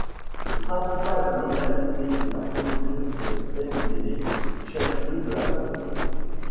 Le principale localité de la commune est Ndélé, chef-lieu de la préfecture.